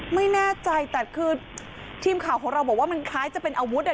ไม่แน่ใจแต่คือทีมข่าวของเราบอกว่ามันคล้ายจะเป็นอาวุธอ่ะ